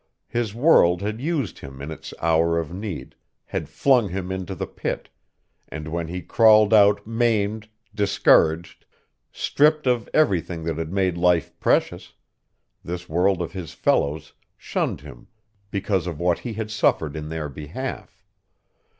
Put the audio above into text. His world had used him in its hour of need, had flung him into the Pit, and when he crawled out maimed, discouraged, stripped of everything that had made life precious, this world of his fellows shunned him because of what he had suffered in their behalf.